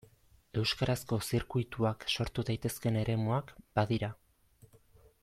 Euskarazko zirkuituak sortu daitezkeen eremuak badira.